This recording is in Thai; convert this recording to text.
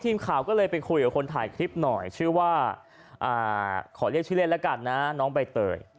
ทีมข่าวก็เลยไปคุยกับคนถ่ายคลิปหน่อยชื่อว่าขอเรียกชื่อเล่นแล้วกันนะน้องใบเตย